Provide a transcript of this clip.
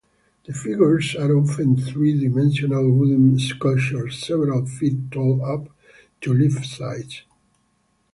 The figures are often three-dimensional wooden sculptures several feet tall - up to life-sized.